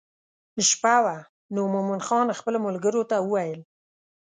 شپه وه نو مومن خان خپلو ملګرو ته وویل.